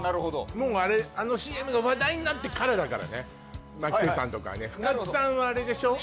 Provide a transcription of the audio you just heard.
もうあのＣＭが話題になってからだからね牧瀬さんとかはね深津さんはあれでしょ